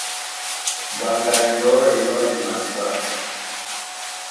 Mbaŋga njɔ̌ e nyɔ́di madíɓá.